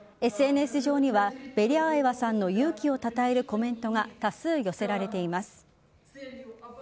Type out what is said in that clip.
ＳＮＳ上にはベリャーエワさんの勇気を称えるコメントが多数寄せられています。